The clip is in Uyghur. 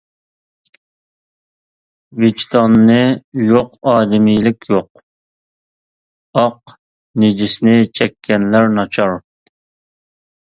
ۋىجدانى يوق ئادىمىيلىك يوق، ئاق نىجىسنى چەككەنلەر ناچار.